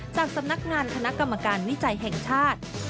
จากสำนักงานคณะกรรมการวิจัยแห่งชาติ